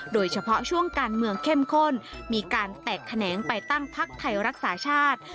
โดยเฉพาะช่วงการเมืองเข้มข้นมีการแตกแขนงไปตั้งพักไทยรักษาชาติ